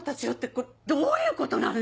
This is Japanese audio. これどういうことなのよ